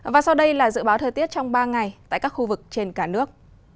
và sau đây là dự báo thời tiết trong ba ngày tại các khu vực trên cả nước